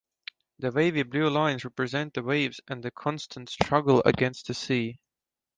The wavy blue lines represent the waves and the constant struggle against the sea.